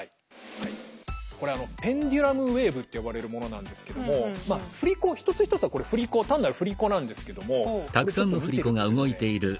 はいこれあのペンデュラムウェーブって呼ばれるものなんですけどもまあ振り子一つ一つはこれ単なる振り子なんですけどもこれちょっと見てるとですね